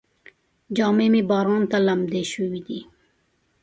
جامې مې باران ته لمدې شوې دي.